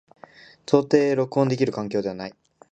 到底録音できる環境ではない。